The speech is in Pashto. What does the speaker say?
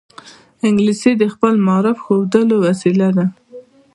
انګلیسي د خپل مهارت ښودلو وسیله ده